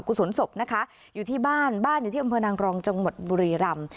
ศุลศพนะคะอยู่ที่บ้านบ้านอยู่ที่อำเภอนางรองจังหวัดบุรีรำ